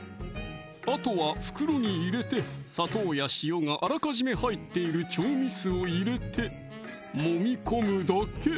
あとは袋に入れて砂糖や塩があらかじめ入っている調味酢を入れてもみ込むだけ！